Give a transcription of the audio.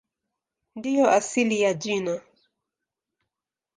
Ndiyo asili ya jina.